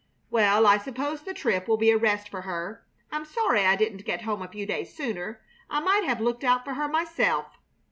Well, I suppose the trip will be a rest for her. I'm sorry I didn't get home a few days sooner. I might have looked out for her myself."